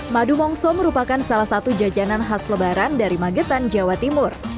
madu mongso merupakan salah satu jajanan khas lebaran dari magetan jawa timur